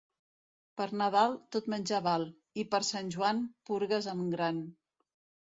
Per Nadal, tot menjar val; i per Sant Joan, purgues en gran.